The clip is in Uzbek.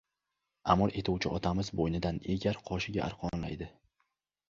Amr etuvchi otamiz bo‘ynidan egar qoshiga arqonlaydi.